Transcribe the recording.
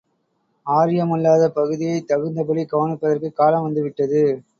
ஆரியமல்லாத பகுதியைத் தகுந்தபடி கவனிப்பதற்குக் காலம் வந்து விட்டது